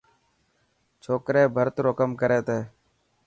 ڇوڪري ڀرت رو ڪم ڪري تي.